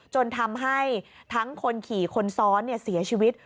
จนทำให้ทั้งคนขี่คนซ้อนเสียชีวิต